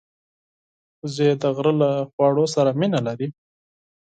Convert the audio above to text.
وزې د غره له خواړو سره مینه لري